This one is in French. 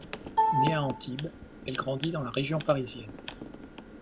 Née à Antibes, elle grandit dans la région parisienne.